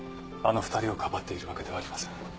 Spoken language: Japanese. あの２人を庇っているわけではありません。